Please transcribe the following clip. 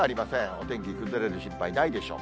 お天気、崩れる心配ないでしょう。